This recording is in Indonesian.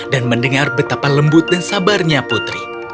dan mendengar betapa lembut dan sabarnya putri